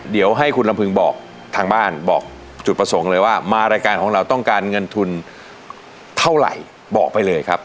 เดี๋ยวให้คุณลำพึงบอกทางบ้านบอกจุดประสงค์เลยว่ามารายการของเราต้องการเงินทุนเท่าไหร่บอกไปเลยครับ